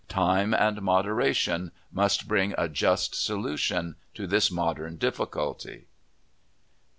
Time and moderation must bring a just solution to this modern difficulty.